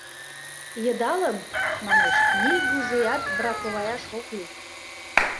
Йыдалым, манеш, нигузеат браковаяш ок лий.